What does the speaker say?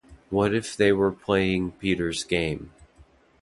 What if they were playing Peter’s game?